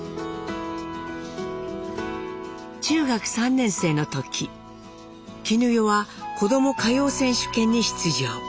中学３年生の時絹代は「こども歌謡選手権」に出場。